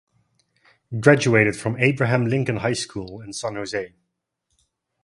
Graduated from Abraham Lincoln High School in San Jose.